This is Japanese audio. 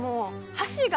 箸が？